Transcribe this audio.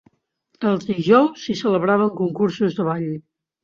Els dijous s'hi celebraven concursos de ball.